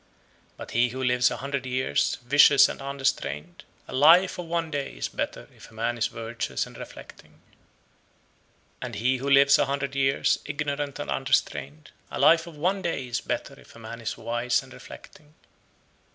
110. But he who lives a hundred years, vicious and unrestrained, a life of one day is better if a man is virtuous and reflecting. 111. And he who lives a hundred years, ignorant and unrestrained, a life of one day is better if a man is wise and reflecting.